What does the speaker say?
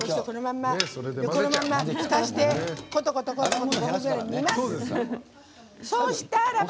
このまま、ふたしてコトコトコトコト５分ぐらい煮ます。